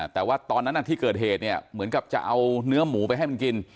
แต่ว่าตอนนั้นที่เกิดเหตุเนี่ยเหมือนกับจะเอาเนื้อหมูไปให้มันกิน